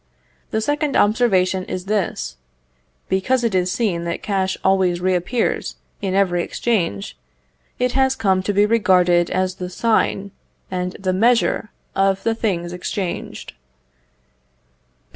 The second observation is this: Because it is seen that cash always reappears in every exchange, it has come to be regarded as the sign and the measure of the things exchanged.